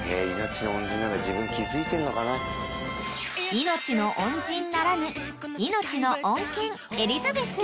［命の恩人ならぬ命の恩犬エリザベス］